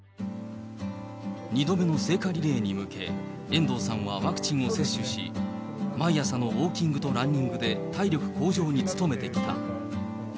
２度目の聖火リレーに向け、遠藤さんはワクチンを接種し、毎朝のウォーキングとランニングで体力向上に努めてきた。